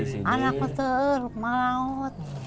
anaknya terlalu maut